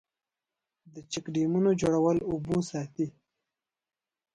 د چک ډیمونو جوړول اوبه ساتي